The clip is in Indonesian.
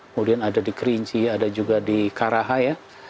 kemudian ada di kerinci ada juga di karaha ya